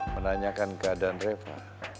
menanyakan keadaan rafa